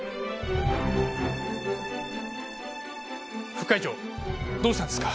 副会長どうしたんですか？